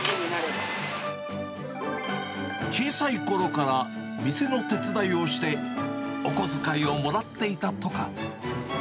小さいころから店の手伝いをして、お小遣いをもらっていたとか。